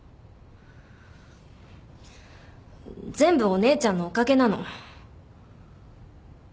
全部お姉ちゃんのおかげなの。